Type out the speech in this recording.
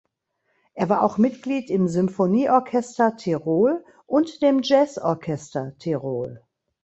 Er war auch Mitglied im Symphonieorchester Tirol und dem Jazzorchester Tirol.